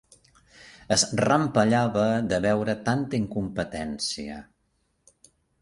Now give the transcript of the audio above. Es rampellava, de veure tanta incompetència.